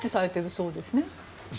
そうですね。